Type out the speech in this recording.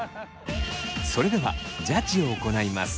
それではジャッジを行います。